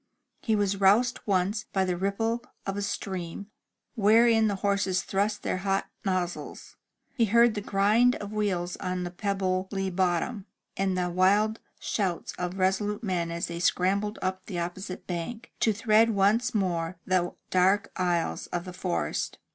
He was roused once by the ripple of a stream, wherein the horses thrust their hot nozzles, he heard the grind of wheels on the pebbly bottom, and the wild shouts of the resolute men as they scrambled up the opposite bank, to thread once more the dark aisles of the forest.